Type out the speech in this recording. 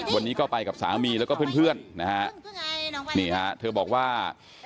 วันนี้ก็ไปกับสามีแล้วก็เพื่อนนะฮะนี่ฮะเธอบอกว่า